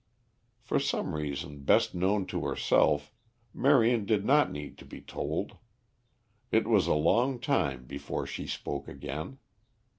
For some reason best known to herself Marion did not need to be told. It was a long time before she spoke again.